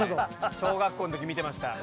小学校のとき、見てました。